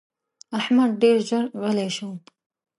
احمد ډېر ژر غلی شو.